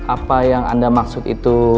apa yang anda maksud itu